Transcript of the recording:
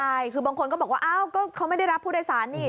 ใช่คือบางคนก็บอกว่าอ้าวก็เขาไม่ได้รับผู้โดยสารนี่